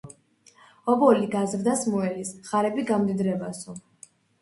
ობოლი გაზრდას მოელის, ღარიბი - გამდიდრებასო